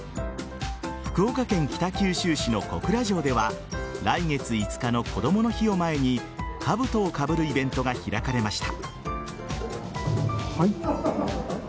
福岡県北九州市の小倉城では来月５日のこどもの日を前にかぶとをかぶるイベントが開かれました。